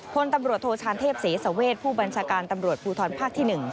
พลตำรวจโทชานเทพศรีสเวชผู้บัญชาการตำรวจภูทรภาคที่๑